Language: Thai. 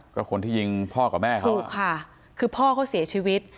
ก็คนที่ยิงพ่อกับแม่เขาถูกค่ะคือพ่อเขาเสียชีวิต